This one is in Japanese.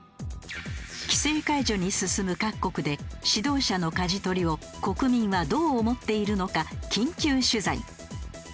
規制解除に進む各国で指導者の舵取りを国民はどう思っているのか緊急取材。